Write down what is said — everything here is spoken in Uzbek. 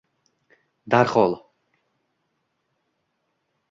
Darhol